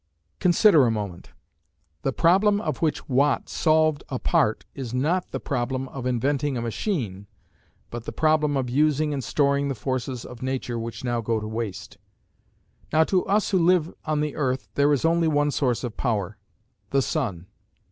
Consider a moment. The problem of which Watt solved a part is not the problem of inventing a machine, but the problem of using and storing the forces of nature which now go to waste. Now to us who live on the earth there is only one source of power the sun.